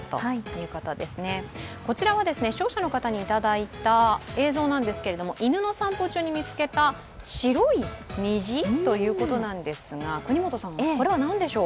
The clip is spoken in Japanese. こちらは視聴者の方にいただいた映像なんですけれども、犬の散歩中に見つけた白い虹ということなんですが、これは何でしょう。